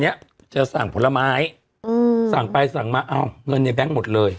เนี่ยนะอร่ายมาก